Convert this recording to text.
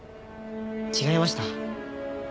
違いました？